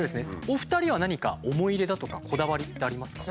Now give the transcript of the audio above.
お二人は何か思い入れだとかこだわりってありますか？